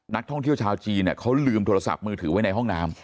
นักท่องเที่ยวชาวจีนเขาลืมโทรศัพท์มือถือไว้ในห้องน้ำ